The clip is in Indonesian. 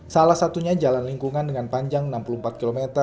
salah satunya jalan lingkungan dengan panjang enam puluh empat km